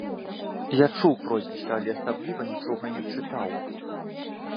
Я чуў прозвішча, але асабліва нічога і не чытаў.